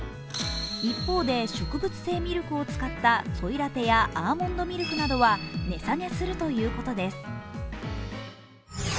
一方で植物性ミルクを使ったソイラテやアーモンドミルクなどは値下げするということです。